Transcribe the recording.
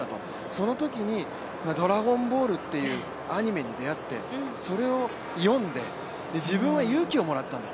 そのときに「ドラゴンボール」というアニメに出会って、それを読んで、自分は勇気をもらったんだ